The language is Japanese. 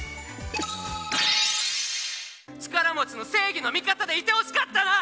力持ちの正義の味方でいてほしかった。